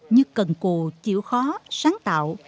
như cần cù chịu khó sáng tạo